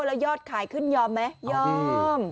แล้วยอดขายขึ้นยอมไหมยอม